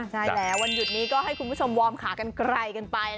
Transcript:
ใช่แล้ววันหยุดนี้ก็ให้คุณผู้ชมวอร์มขากันไกลกันไป